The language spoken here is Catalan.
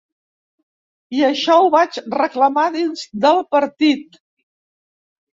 I això ho vaig reclamar dins del partit.